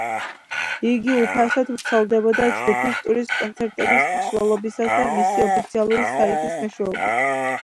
იგი უფასოდ ვრცელდებოდა ჯგუფის ტურის კონცერტების მსვლელობისას და მისი ოფიციალური საიტის მეშვეობით.